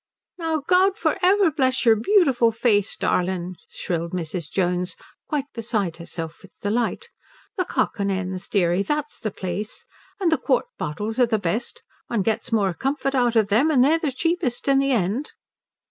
"Now God for ever bless your beautiful face, darlin'!" shrilled Mrs. Jones, quite beside herself with delight. "The Cock and 'Ens, deary that's the place. And the quart bottles are the best; one gets more comfort out of them, and they're the cheapest in the end."